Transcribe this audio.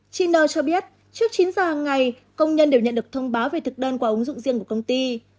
chị n t l cho biết trước chín h hàng ngày công nhân đều nhận được thông báo về thực đơn qua ứng dụng riêng của công ty